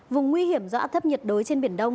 vùng nguy hiểm do áp thấp nhiệt đới trên biển đông